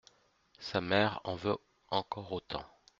Sa mère en veut encore autant.